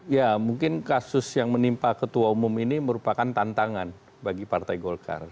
ya mungkin kasus yang menimpa ketua umum ini merupakan tantangan bagi partai golkar